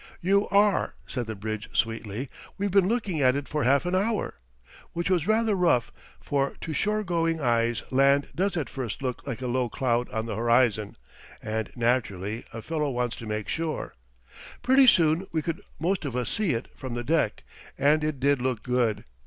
"You are," said the bridge sweetly; "we've been looking at it for half an hour." Which was rather rough, for to shore going eyes land does at first look like a low cloud on the horizon and, naturally, a fellow wants to make sure. Pretty soon we could most of us see it from the deck, and it did look good.